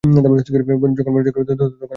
যখন বনে যাইব, তখন আমি সকলকে সমান জ্ঞান করিব।